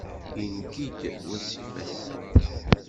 Ingi-d wasif ass-a.